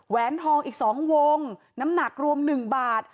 แหวนทองอีกสองวงน้ำหนักรวมหนึ่งบาท